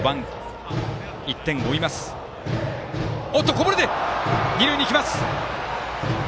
こぼれて二塁に行きます！